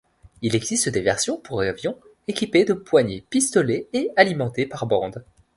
Il existe des versions pour avion équipées de poignées-pistolets et alimentées par bande.